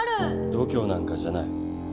度胸なんかじゃない。